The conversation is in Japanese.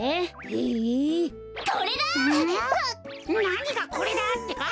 なにが「これだ！」ってか？